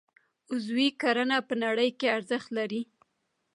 عضوي کرنه په نړۍ کې ارزښت لري